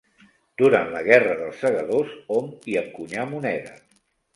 Durant la Guerra dels Segadors hom hi encunyà moneda.